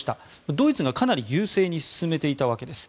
ドイツがかなり優勢に進めていたわけです。